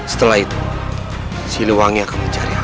setelah itu siliwangi akan mencari